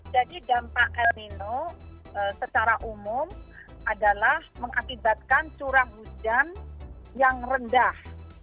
jadi dampak el nino secara umum adalah mengakibatkan curah hujan yang rendah